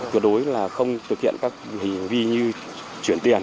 tuyệt đối là không thực hiện các hình vi như chuyển tiền